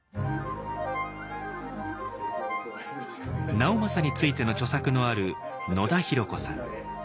直政についての著作のある野田浩子さん。